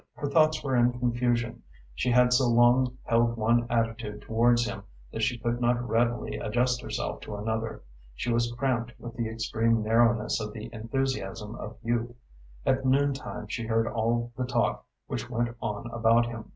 Her thoughts were in confusion. She had so long held one attitude towards him that she could not readily adjust herself to another. She was cramped with the extreme narrowness of the enthusiasm of youth. At noontime she heard all the talk which went on about him.